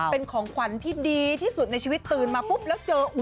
เป็นของขวัญที่ดีที่สุดในชีวิตตื่นมาปุ๊บแล้วเจอ